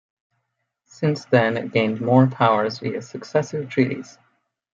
Since then it gained more powers via successive treaties.